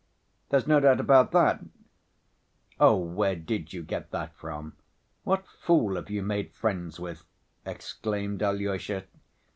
There's no doubt about that." "Oh, where, where did you get that from? What fool have you made friends with?" exclaimed Alyosha.